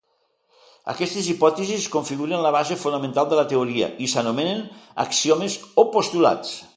Aquestes hipòtesis configuren la base fonamental de la teoria, i s'anomenen axiomes o postulats.